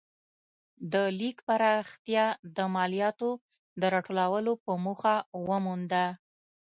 د لیک پراختیا د مالیاتو د راټولولو په موخه ومونده.